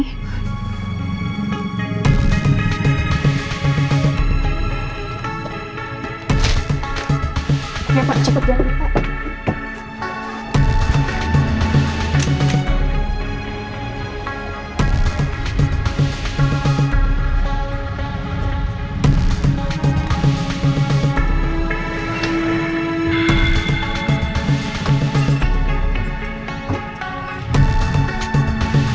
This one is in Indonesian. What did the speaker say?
ya ampun cepet jangan lupa